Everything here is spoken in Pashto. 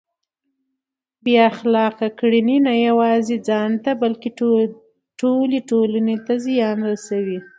بې اخلاقه کړنې نه یوازې ځان ته بلکه ټولې ټولنې ته زیان رسوي.